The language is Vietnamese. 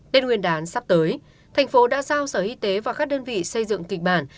tết nguyên đán sắp tới thành phố đã giao sở y tế và các đơn vị xây dựng kịch bản